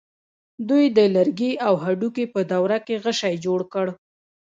دوی د لرګي او هډوکي په دوره کې غشی جوړ کړ.